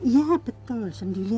iya betul sendirian